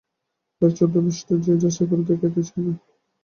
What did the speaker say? বাইরের ছদ্মবেশটা যে যাচাই করে দেখতেই চায় না।